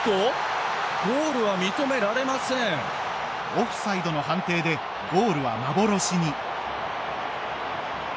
オフサイドの判定でゴールは幻に。